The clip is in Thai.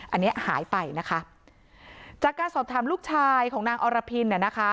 อันนี้หายไปนะคะจากการสอบถามลูกชายของนางอรพินเนี่ยนะคะ